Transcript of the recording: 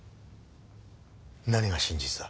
何が真実だ？